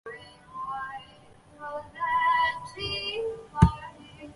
亘理郡是宫城县的一郡。